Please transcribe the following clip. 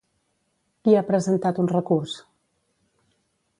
Qui ha presentat un recurs?